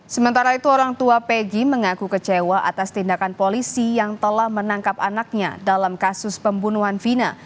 sementara itu orang tua pegi mengaku kecewa atas tindakan polisi yang telah menangkap anaknya dalam kasus pembunuhan vina